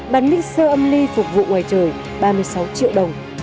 bản mixer âm ly phục vụ ngoài trời ba mươi sáu triệu đồng